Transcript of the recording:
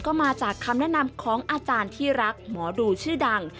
ก็มาจากคำแนะนำของอาจารย์ที่รักหมอดูชื่อดัง